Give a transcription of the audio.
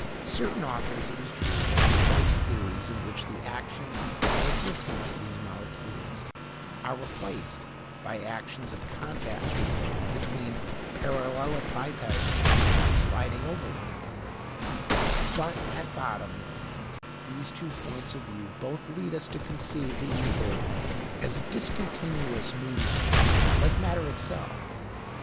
Certain authors, it is true, have proposed theories in which the action at a distance of these molecules are replaced by actions of contact between parallelepipeds sliding over one another; but, at bottom, these two points of view both lead us to conceive the ether as a discontinuous medium, like matter itself.